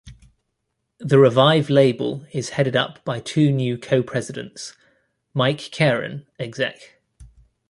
The revived label is headed up by two new co-Presidents: Mike Caren, Exec.